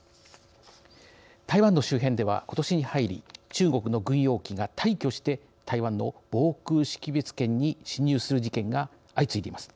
台湾の周辺ではことしに入り中国の軍用機が大挙して台湾の防空識別圏に進入する事件が相次いでいます。